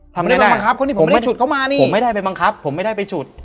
ทำไมไม่ได้ผมไม่ได้ไปบังคับผมไม่ได้ไปฉุด